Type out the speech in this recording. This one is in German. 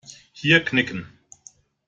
Hier knicken.